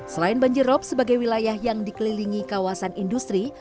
selain banjir rob sebagai wilayah yang dikelilingi kawasan industri